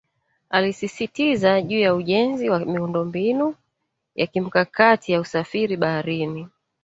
Alisisitiza juu ya ujenzi wa miundombinu ya kimkakati ya usafiri baharini